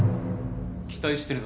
期待してるぞ。